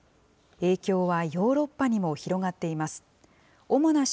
影響はヨーロッパにも広がっています。